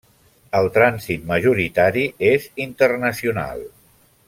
El trànsit majoritari és internacional: